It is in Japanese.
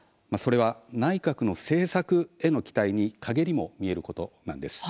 内閣の政策への期待にかげりも見えることなんです。